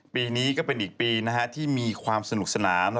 ปีนี้ก็เป็นอีกปีที่มีความสนุกสนาน